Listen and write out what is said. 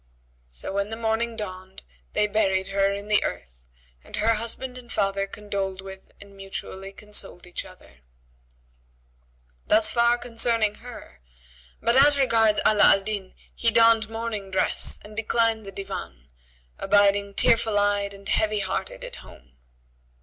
So when the morning dawned, they buried her in the earth and her husband and father condoled with and mutually consoled each other. Thus far concerning her; but as regards Ala al Din he donned mourning dress and declined the Divan, abiding tearful eyed and heavy hearted at home.